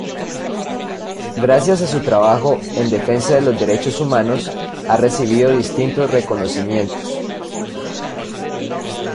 Gracias a su trabajo en defensa de los derechos humanos, ha recibido distintos reconocimientos.